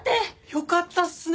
よかったっすね。